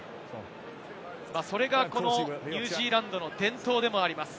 それがニュージーランドの伝統でもあります。